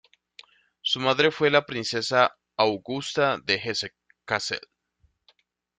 Su madre fue la Princesa Augusta de Hesse-Kassel.